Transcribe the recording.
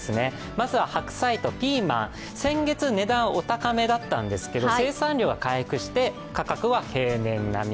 まずは白菜とピーマン、先月、値段、お高めだったんですけど生産量が回復して価格は平年並み。